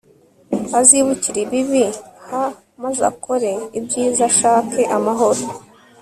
azibukire ibibi h maze akore ibyiza ashake amahoro